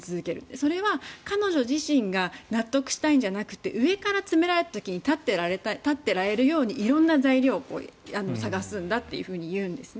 それは彼女自身が納得したいんじゃなくて上から詰められた時に立ってられるようにしたんだと言うんですよね。